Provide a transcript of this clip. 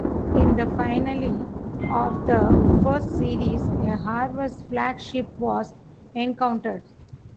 In the finale of the first series, a harvest flagship was encountered.